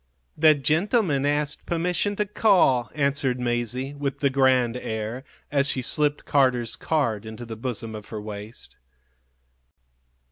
"The gentleman asked permission to call," answered Masie, with the grand air, as she slipped Carter's card into the bosom of her waist.